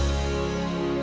aku sudah lebih